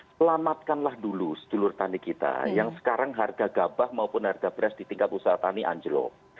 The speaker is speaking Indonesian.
selamatkanlah dulu sedulur tani kita yang sekarang harga gabah maupun harga beras di tingkat usaha tani anjlok